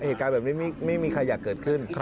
เหตุการณ์แบบนี้ไม่มีใครอยากเกิดขึ้น